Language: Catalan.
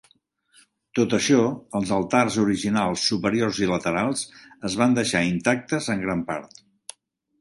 Tot i això, els altars originals superiors i laterals es van deixar intactes en gran part.